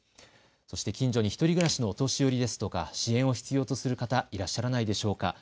そして近所に１人暮らしのお年寄りですとか支援を必要とする方、いらっしゃらないでしょうか。